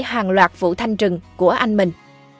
hàng loạt vụ thanh trừng của anh mình